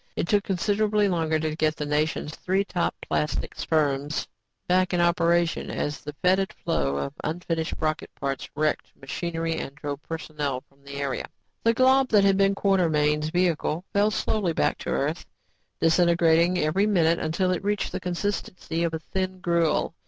It took considerably longer to get the nation's three top plastics firms back in operation as the fetid flow of unfinished rocket parts wrecked machinery and drove personnel from the area. The glob that had been Quartermain's vehicle fell slowly back to Earth, disintegrating every minute until it reached the consistency of thin gruel.